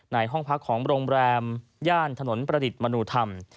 ในห้องพักของโรงแรมย่านถนนประดิษฐ์มนุธรรม